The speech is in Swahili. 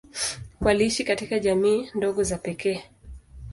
Waliishi katika jamii ndogo za pekee.